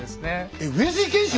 えっ上杉謙信